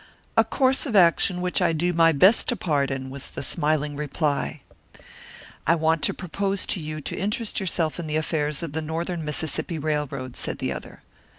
"A course of action which I do my best to pardon," was the smiling reply. "I want to propose to you to interest yourself in the affairs of the Northern Mississippi Railroad," said the other.